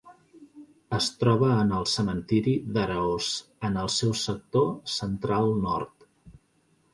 Es troba en el cementiri d'Araós, en el seu sector central-nord.